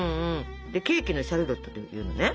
ケーキの「シャルロット」っていうのはね